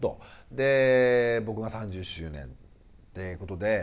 で僕が３０周年ということで。